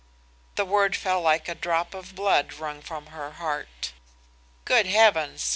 "The word fell like a drop of blood wrung from her heart. "'Good heavens!